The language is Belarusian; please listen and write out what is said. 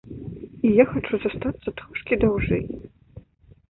І я хачу застацца трошкі даўжэй.